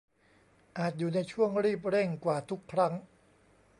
อาจอยู่ในช่วงรีบเร่งกว่าทุกครั้ง